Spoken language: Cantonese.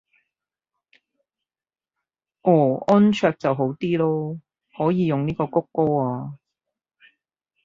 哦安卓就好啲囉，可以用呢個穀歌啊